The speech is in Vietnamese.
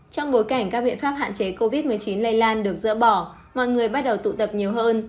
trong bối cảnh các biện pháp hạn chế covid một mươi chín lây lan được dỡ bỏ mọi người bắt đầu tụ tập nhiều hơn